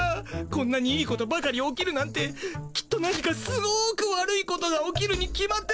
こんなにいいことばかり起きるなんてきっと何かすごく悪いことが起きるに決まってます。